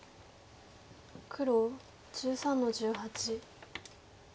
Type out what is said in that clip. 黒１３の十八。